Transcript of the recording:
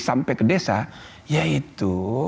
sampai ke desa yaitu